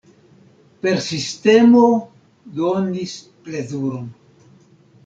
Persistemo donis plezuron!